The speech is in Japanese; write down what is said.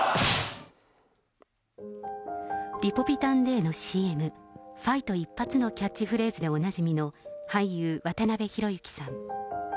リポビタンＤのＣＭ、ファイト一発のキャッチフレーズでおなじみの俳優、渡辺裕之さん。